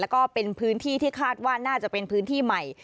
แล้วก็เป็นพื้นที่ที่คาดว่าน่าจะเป็นพื้นที่ใหม่